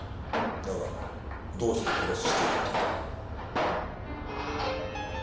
だがどうして殺す必要があったんだ。